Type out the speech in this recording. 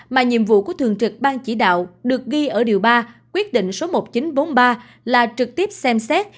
mà nhiệm vụ của thường trực ban chỉ đạo được ghi ở điều ba quyết định số một nghìn chín trăm bốn mươi ba là trực tiếp xem xét